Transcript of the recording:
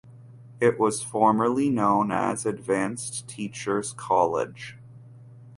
It was formerly known as Advanced Teachers’ College.